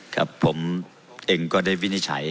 ครับผมเองก็ได้วินิจฉัย